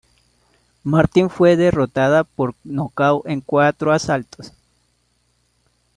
Martin fue derrotada por nocaut en cuatro asaltos.